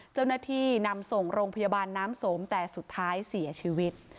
เจ้าหน้าที่นำส่งโรงพยาบาลน้ำสมแต่สุดท้ายเสียชีวิต